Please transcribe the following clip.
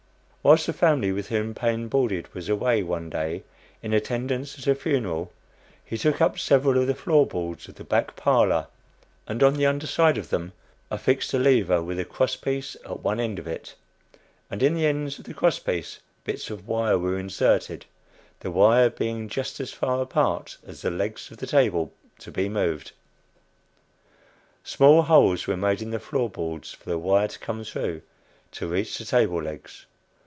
Whilst the family with whom Paine boarded was away, one day, in attendance at a funeral, he took up several of the floor boards of the back parlor, and on the under side of them affixed a lever, with a cross piece at one end of it; and, in the ends of the cross piece, bits of wire were inserted, the wire being just as far apart as the legs of the table to be moved. Small holes were made in the floor boards for the wire to come through to reach the table legs.